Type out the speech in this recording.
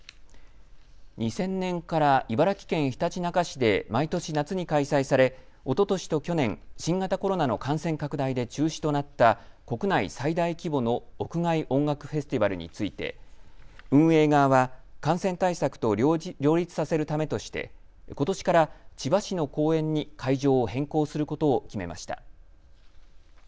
２０００年から茨城県ひたちなか市で毎年夏に開催され、おととしと去年、新型コロナの感染拡大で中止となった国内最大規模の屋外音楽フェスティバルについて運営側は感染対策と両立させるためとしてことしから千葉市の公園に会場を変更することを決めました。